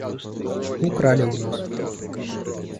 Украли у нас.